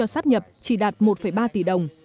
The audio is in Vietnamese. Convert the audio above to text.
nguồn ngân sách tỉnh chi cho sáp nhập chỉ đạt một ba tỷ đồng